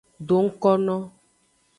Do ngkono.